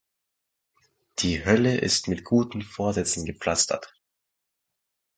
Die Hölle ist mit guten Vorsätzen gepflastert.